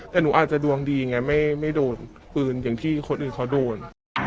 แต่หนูอาจจะดวงดีไงไม่โดนปืนอย่างที่คนอื่นเขาโดน